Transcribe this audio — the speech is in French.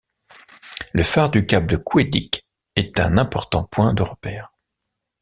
Le phare du cap de Couedic est un important point de repère.